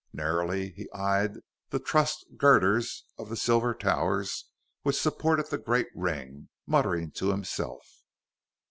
Narrowly he eyed the trussed girders of the silver towers which supported the great ring, muttering to himself.